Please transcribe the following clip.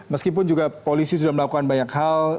meskipun juga polisi sudah melakukan banyak hal